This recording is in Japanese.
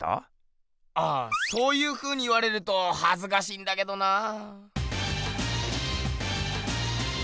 あそういうふうに言われるとはずかしいんだけどなあ。